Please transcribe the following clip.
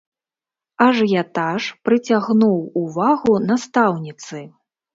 Ажыятаж прыцягнуў увагу настаўніцы.